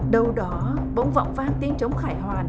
đâu đó bỗng vọng vang tiếng chống khải hoàn